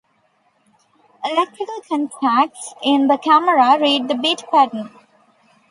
Electrical contacts in the camera read the bit pattern.